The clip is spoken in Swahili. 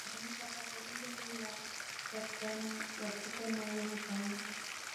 Mila ya kuwatenganisha pacha ile mila ya kupeana watoto nayo hufanyika